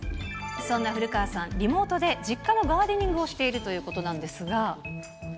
そんな古川さん、リモートで実家のガーデニングをしているということなんですが。